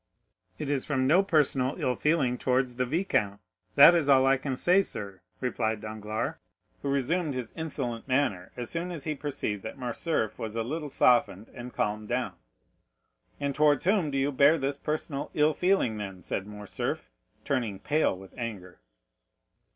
"It is from no personal ill feeling towards the viscount, that is all I can say, sir," replied Danglars, who resumed his insolent manner as soon as he perceived that Morcerf was a little softened and calmed down. "And towards whom do you bear this personal ill feeling, then?" said Morcerf, turning pale with anger.